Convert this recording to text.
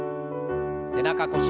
背中腰